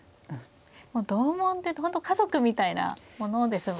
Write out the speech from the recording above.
同門って本当家族みたいなものですもんね。